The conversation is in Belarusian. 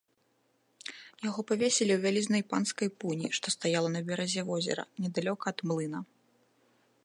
Яго павесілі ў вялізнай панскай пуні, што стаяла на беразе возера, недалёка ад млына.